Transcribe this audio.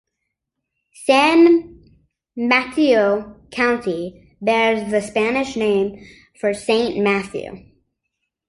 San Mateo County bears the Spanish name for Saint Matthew.